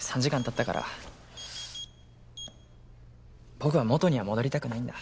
僕は元には戻りたくないんだ。